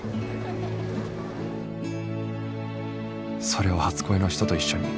それを初恋の人と一緒に